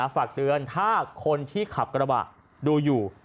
ฝากเตือนถ้าคนที่ขับกระบะดูอยู่